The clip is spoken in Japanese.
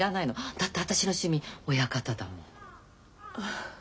だって私の趣味親方だもの。